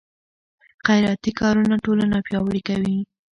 خیراتي کارونه ټولنه پیاوړې کوي.